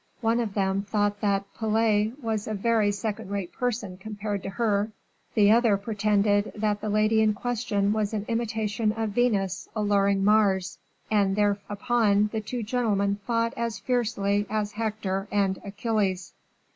One of them thought that Pallas was a very second rate person compared to her; the other pretended that the lady in question was an imitation of Venus alluring Mars; and thereupon the two gentlemen fought as fiercely as Hector and Achilles."